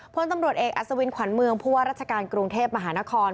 พลตำรวจเอกอัศวินขวัญเมืองผู้ว่าราชการกรุงเทพมหานคร